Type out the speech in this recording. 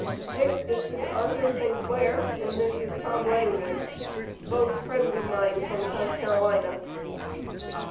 Dick, this is Arthur St. Clair, and this is Tom Langdon, both friends of mine from South Carolina."